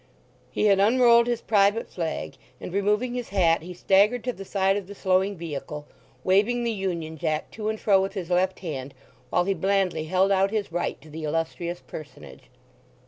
He had unrolled his private flag, and removing his hat he staggered to the side of the slowing vehicle, waving the Union Jack to and fro with his left hand while he blandly held out his right to the Illustrious Personage.